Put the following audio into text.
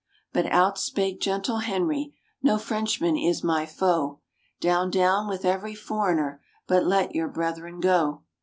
But out spake gentle Henry, "No Frenchman is my foe: Down, down with every foreigner, but let your brethren go."